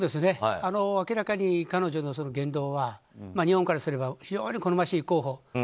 明らかに彼女の言動は日本からすれば非常に好ましい候補。